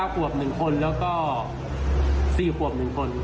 ๙ขวบ๑คนแล้วก็๔ขวบ๑คน